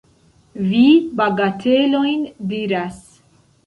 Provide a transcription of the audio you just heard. Vi bagatelojn diras.